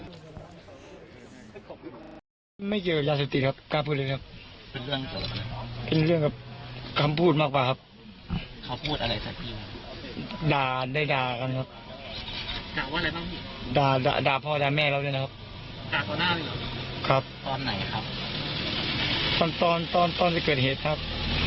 ด่าพ่อด่าแม่เราด้วยนะครับครับตอนไหนครับตอนตอนตอนตอนจะเกิดเหตุครับ